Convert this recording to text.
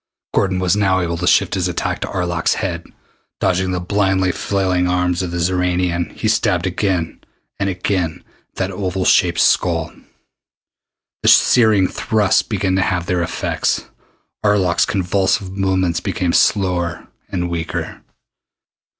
Gordon was now able to shift his attack to Arlok's head. Dodging the blindly flailing arms of the Xoranian, he stabbed again and again at that oval shaped skull. The searing thrusts began to have their effect. Arlok's convulsive movements became slower and weaker.